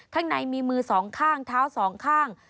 ข้างในมีมือ๒ข้างท้าว๒ข้าง